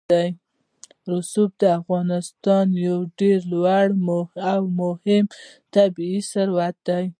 رسوب د افغانستان یو ډېر لوی او مهم طبعي ثروت دی.